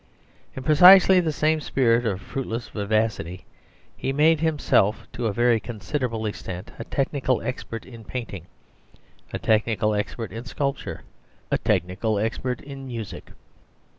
In precisely the same spirit of fruitless vivacity, he made himself to a very considerable extent a technical expert in painting, a technical expert in sculpture, a technical expert in music.